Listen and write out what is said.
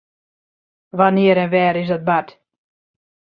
Wannear en wêr is dat bard?